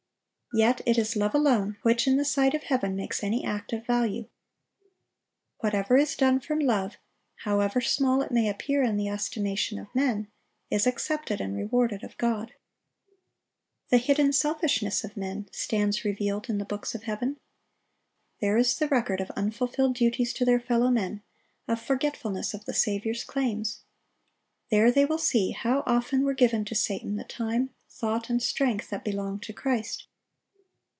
Yet it is love alone which in the sight of Heaven makes any act of value. Whatever is done from love, however small it may appear in the estimation of men, is accepted and rewarded of God. The hidden selfishness of men stands revealed in the books of heaven. There is the record of unfulfilled duties to their fellow men, of forgetfulness of the Saviour's claims. There they will see how often were given to Satan the time, thought, and strength that belonged to Christ.